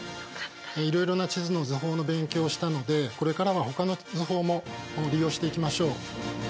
いろいろな地図の図法の勉強をしたのでこれからはほかの図法も利用していきましょう。